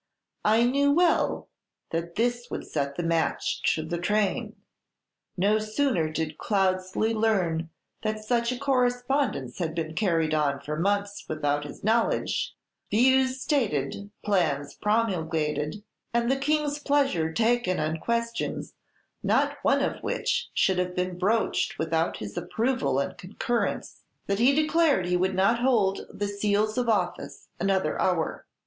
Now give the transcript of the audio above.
I knew well that this would set the match to the train. No sooner did Cloudeslie learn that such a correspondence had been carried on for months without his knowledge, views stated, plans promulgated, and the King's pleasure taken on questions not one of which should have been broached without his approval and concurrence, than he declared he would not hold the seals of office another hour.